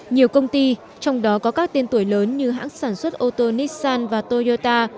nhiều công ty trong đó có các tên tuổi lớn như hãng sản xuất ô tô nissan và toyota